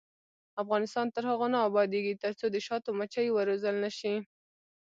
افغانستان تر هغو نه ابادیږي، ترڅو د شاتو مچۍ وروزل نشي.